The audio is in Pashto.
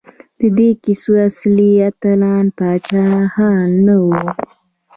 د دې کیسو اصلي اتلان پاچاهان نه وو.